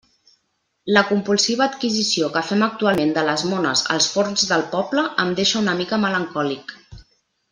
La compulsiva adquisició que fem actualment de les mones als forns del poble em deixa una mica melancòlic.